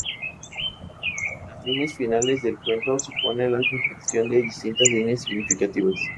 Las líneas finales del cuento suponen la conjunción de distintas líneas significativas.